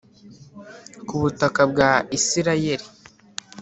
Ku butaka bwa isirayeli